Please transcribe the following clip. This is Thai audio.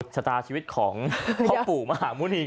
ชะตาชีวิตของพ่อปู่มหาหมุณี